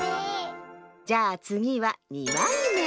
じゃあつぎは２まいめ。